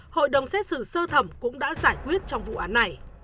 hội đồng xét xử sơ thẩm cũng đã giải quyết trong vụ án này